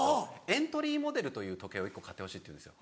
エントリーモデルという時計を１個買ってほしいというんです。